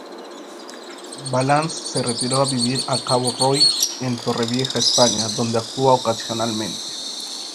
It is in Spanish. Valance se retiró a vivir a Cabo Roig, en Torrevieja, España, donde actúa ocasionalmente.